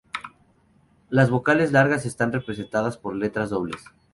Las vocales largas están representadas por letras dobles.